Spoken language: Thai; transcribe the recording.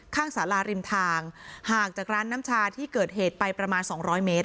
สาราริมทางห่างจากร้านน้ำชาที่เกิดเหตุไปประมาณ๒๐๐เมตร